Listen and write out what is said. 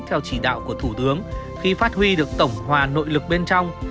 theo chỉ đạo của thủ tướng khi phát huy được tổng hòa nội lực bên trong